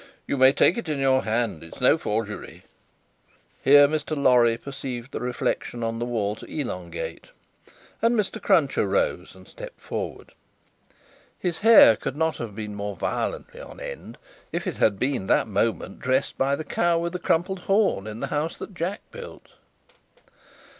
You may take it in your hand; it's no forgery." Here, Mr. Lorry perceived the reflection on the wall to elongate, and Mr. Cruncher rose and stepped forward. His hair could not have been more violently on end, if it had been that moment dressed by the Cow with the crumpled horn in the house that Jack built.